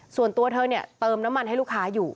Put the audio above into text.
ส่วนตัวเธอเนี่ยเติมน้ำมันให้ลูกค้าอยู่